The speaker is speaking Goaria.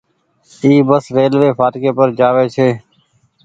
اي بس ريلوي ڦآٽڪي پر جآوي ڇي۔